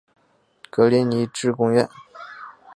格林尼治宫苑。